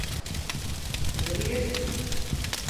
Bunu bilirsin.